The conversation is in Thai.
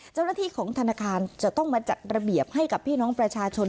เจ้าหน้าที่ของธนาคารจะต้องมาจัดระเบียบให้กับพี่น้องประชาชน